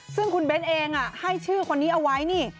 ซึ่งคุณเบ้นเองให้ชื่อคนนี้เอาไว้นี่